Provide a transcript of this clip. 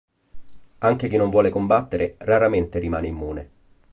Anche chi non vuole combattere, raramente rimane immune.